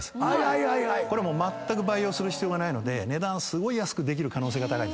まったく培養する必要がないので値段すごい安くできる可能性が高いですね。